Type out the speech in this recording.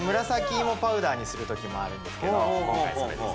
紫芋パウダーにするときもあるんですけど。